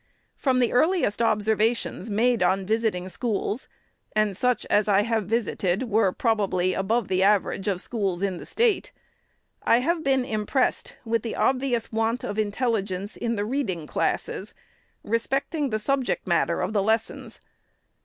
From the earliest observations made on visiting schools, (and such as I have visited were, probably, above the average of schools in the State,) I have been impressed with the obvious want of intelligence, in the reading classes, respecting the subject matter of the lessons.